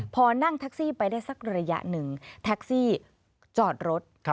พอนั่งแท็กซี่ไปได้สักระยะหนึ่งแท็กซี่จอดรถ